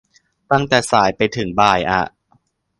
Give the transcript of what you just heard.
ตั้งแต่สายไปถึงบ่ายอ่ะ